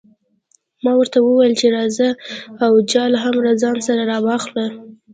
ما ورته وویل چې راځه او جال هم له ځان سره راواخله.